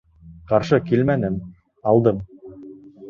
Ҡаршы килмәнем, алдым.